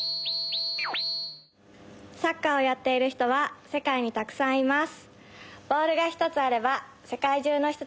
サッカーをやっている人は世界にたくさんいます。